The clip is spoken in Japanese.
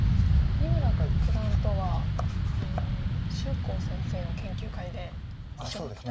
三村九段とは秀行先生の研究会で一緒だったと。